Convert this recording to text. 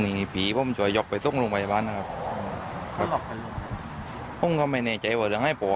ได้ยินเหรอเขาเรียกเหรอ